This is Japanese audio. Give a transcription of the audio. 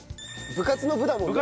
部活の「部」だもんね。